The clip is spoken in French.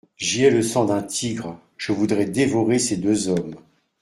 J'y ai le sang d'un tigre, je voudrais dévorer ces deux hommes.